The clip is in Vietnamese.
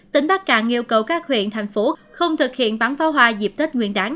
tỉnh bát cạn yêu cầu các huyện thành phố không thực hiện bắn pháo hoa dịp tết nguyên đáng hai nghìn hai mươi hai